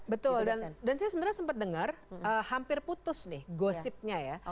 betul dan saya sebenarnya sempat dengar hampir putus nih gosipnya ya